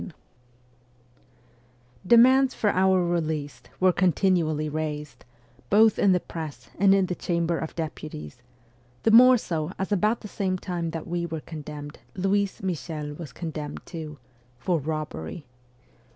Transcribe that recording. XV DEMANDS for our release were continually raised, both in the Press and in the Chamber of Deputies the more so as about the same time that we were con demned Louise Michel was condemned, too for robbery.